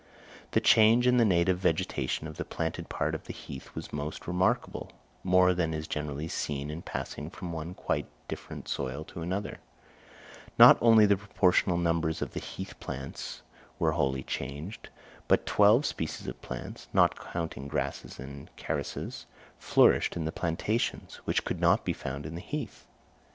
The change in the native vegetation of the planted part of the heath was most remarkable, more than is generally seen in passing from one quite different soil to another: not only the proportional numbers of the heath plants were wholly changed, but twelve species of plants (not counting grasses and carices) flourished in the plantations, which could not be found on the heath.